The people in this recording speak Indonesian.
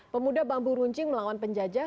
pemuda bambu runcing melawan penjajah